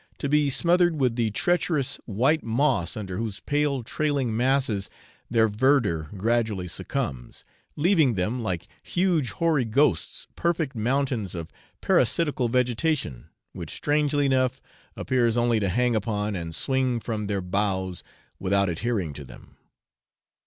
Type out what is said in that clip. to be smothered with the treacherous white moss under whose pale trailing masses their verdure gradually succumbs, leaving them, like huge hoary ghosts, perfect mountains of parasitical vegetation, which, strangely enough, appears only to hang upon and swing from their boughs without adhering to them.